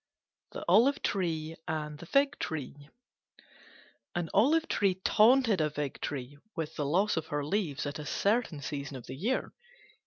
THE OLIVE TREE AND THE FIG TREE An Olive tree taunted a Fig tree with the loss of her leaves at a certain season of the year.